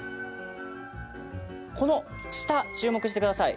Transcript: この下注目してください。